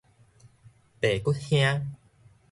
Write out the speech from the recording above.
白骨兄